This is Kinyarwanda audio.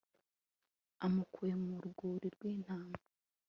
amukuye mu rwuri rw'intama